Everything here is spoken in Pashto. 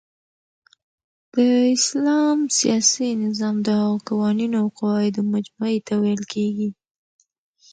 د اسلام سیاسی نظام د هغو قوانینو اوقواعدو مجموعی ته ویل کیږی